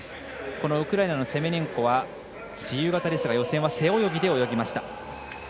このウクライナのセメネンコは自由形ですが予選は背泳ぎで泳ぎました。